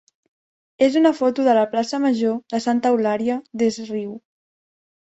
és una foto de la plaça major de Santa Eulària des Riu.